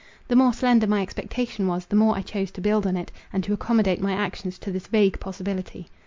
The more slender my expectation was, the more I chose to build on it, and to accommodate my actions to this vague possibility.